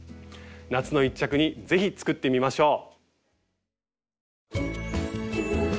夏の一着にぜひ作ってみましょう。